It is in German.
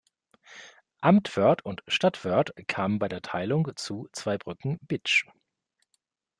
Amt Wörth und Stadt Wörth kamen bei der Teilung zu Zweibrücken-Bitsch.